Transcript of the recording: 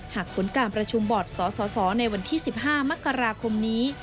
หากผลการประชุมบอร์ดสสในวันที่๑๕มกราคมนี้